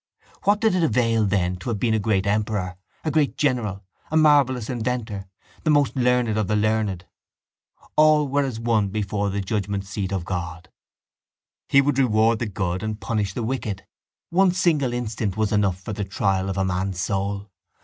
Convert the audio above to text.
What did it avail then to have been a great emperor, a great general, a marvellous inventor, the most learned of the learned? All were as one before the judgement seat of God. He would reward the good and punish the wicked. One single instant was enough for the trial of a man's soul.